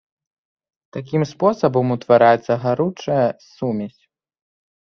Такім спосабам утвараецца гаручая сумесь.